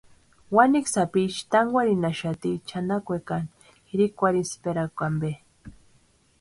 Wanikwa sapicha tankwarhinhaxati chʼanakwekani jirikwarhisperhakwa ampe.